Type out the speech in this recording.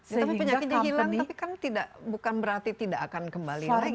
tapi penyakitnya hilang tapi kan bukan berarti tidak akan kembali lagi